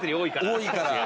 多いから。